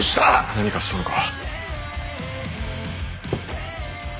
何かしたのか？